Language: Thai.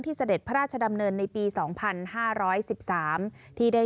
ที่เสด็จพระราชดำเนินในปีสองพันห้าร้อยสิบสามที่ได้